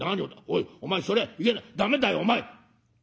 おいお前それいや駄目だよお前」。